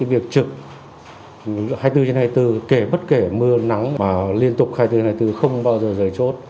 việc trực hai mươi bốn h hai mươi bốn kể bất kể mưa nắng liên tục hai mươi bốn h hai mươi bốn không bao giờ rời chốt